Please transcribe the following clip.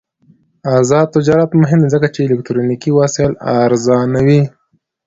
آزاد تجارت مهم دی ځکه چې الکترونیکي وسایل ارزانوي.